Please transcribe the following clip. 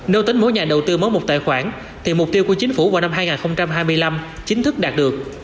nếu tính mỗi nhà đầu tư mở một tài khoản thì mục tiêu của chính phủ vào năm hai nghìn hai mươi năm chính thức đạt được